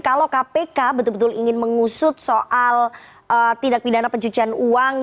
kalau kpk betul betul ingin mengusut soal tindak pidana pencucian uang